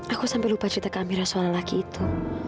aku sampe lupa cerita ke amira soal laki itu